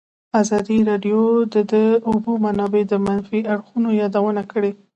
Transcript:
ازادي راډیو د د اوبو منابع د منفي اړخونو یادونه کړې.